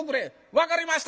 「分かりました！」。